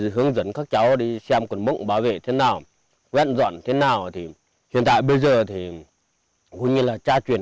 hướng dẫn các cháu đi xem cột mốc bảo vệ